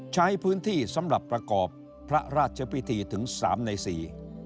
ใช้พื้นที่สำหรับประกอบพระราชพิธีถึงสามในสี่